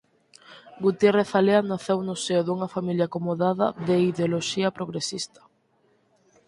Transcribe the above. Gutiérrez Alea naceu no seo dunha familia acomodada de ideoloxía progresista.